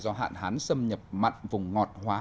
do hạn hán xâm nhập mặn vùng ngọt hóa